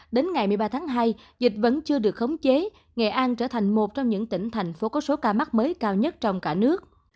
đến ngày một mươi ba tháng hai dịch vẫn chưa được khống chế nghệ an trở thành một trong những tỉnh thành phố có số ca mắc mới cao nhất trong cả nước